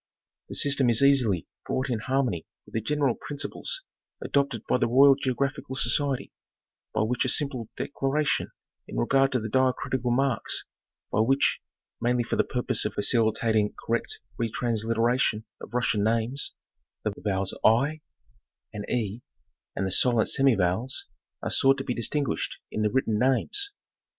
The system is easily brought in harmony with the general principles adopted by the Royal Geographical Society, by a simple declaration in regard to the diacritical marks by which, mainly for the purpose of facilitating correct re transliteration of Russian names, the vowels 7, 7, 7, e and @ and the silent semi vowels are sought to be distinguished in the written names.